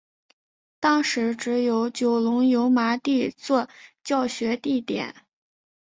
当时只有九龙油麻地作教学地点。